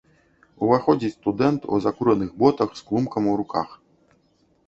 Уваходзіць студэнт у закураных ботах, з клумкам у руках.